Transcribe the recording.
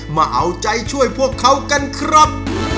มาเอาใจช่วยพวกเขากันครับ